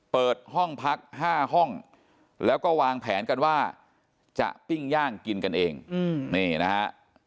เปิดห้องพัก๕ห้องแล้วก็วางแผนกันว่าจะปิ้งย่างกินกันเองนี่นะฮะ